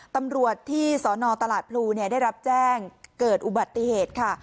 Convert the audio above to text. ตำรวจที่สนตลาดพลูได้รับแจ้งเกิดอุบัติเหตุค่ะ